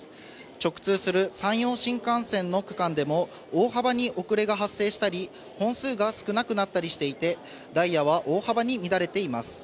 直通する山陽新幹線の区間でも、大幅に遅れが発生したり、本数が少なくなったりしていて、ダイヤは大幅に乱れています。